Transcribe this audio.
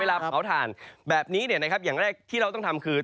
เผาถ่านแบบนี้อย่างแรกที่เราต้องทำคือ